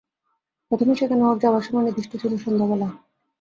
প্রথমে সেখানে ওর যাবার সময় নির্দিষ্ট ছিল সন্ধেবেলায়।